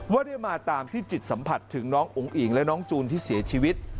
ว่าได้มาตามที่จิตสัมผัสถึงน้องอุ๋งอิ่งและน้องจูนที่เสียชีวิต